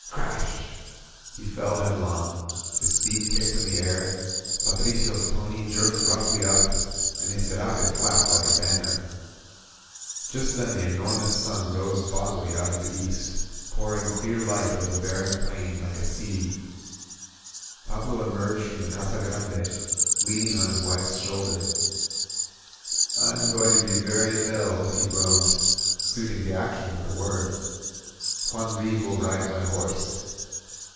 Crash! He fell head long. His feet kicked in the air. Patricio's pony jerked roughly up, and his serape flapped like a ban ner. Just then the enormous sun rose bodily out of the east, pouring clear light over the barren plain like a sea. ••• 63 INSURGENT MEXICO Pablo emerged from the Casa Grande, leaning on his wife's shoulder. "I am going to be very ill," he groaned, suiting the action to the word. "Juan Reed will ride my horse."